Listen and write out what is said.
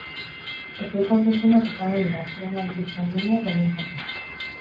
Ezohiko hauteskundeak izango dira, koronabirus pandemiak baldintzatuta.